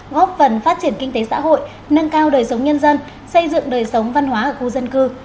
góp phần phát triển kinh tế xã hội nâng cao đời sống nhân dân xây dựng đời sống văn hóa ở khu dân cư